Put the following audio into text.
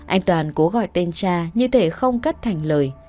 anh toàn cố gọi tên cha như thể không cắt thành lời